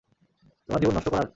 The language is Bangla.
তোমার জীবন নষ্ট করার?